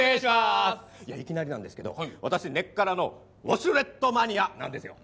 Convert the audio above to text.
いやいきなりなんですけど私根っからのウォシュレットマニアなんですよ。